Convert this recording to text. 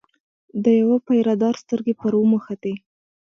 د یوه پیره دار سترګې پر وموښتې.